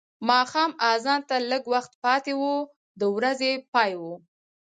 ماښام اذان ته لږ وخت پاتې و د ورځې پای و.